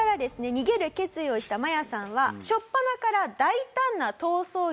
逃げる決意をしたマヤさんは初っぱなから大胆な逃走劇を繰り広げます。